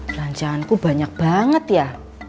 belanjaanku banyak banget ya